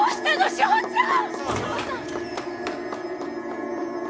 志保ちゃん！